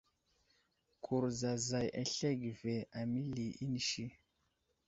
Kurzazay aslege ve ,aməli inisi.